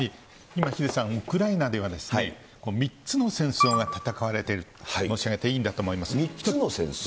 今、ヒデさん、ウクライナでは３つの戦争が戦われていると申し上げていいんだと３つの戦争？